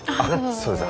そうですね。